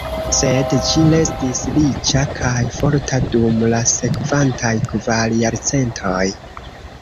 Sed ĝi restis riĉa kaj forta dum la sekvantaj kvar jarcentoj.